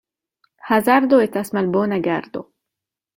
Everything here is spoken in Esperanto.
Hazardo estas malbona gardo.